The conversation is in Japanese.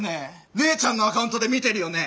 姉ちゃんのアカウントで見てるよね？